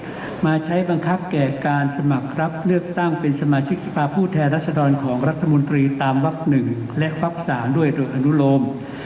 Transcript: มาใช้บังคับแก่การสมัครรับเลือกตั้งเป็นสมาชิกสภาพผู้แทนรัศดรของรัฐมนตรีตามวัก๑และวัก๓ด้วยโดยอนุโลม